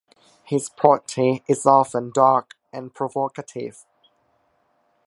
His poetry is often dark and provocative.